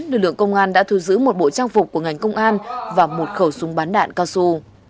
lực lượng công an đã thu giữ một bộ trang phục của ngành công an và một khẩu súng bắn đạn cao su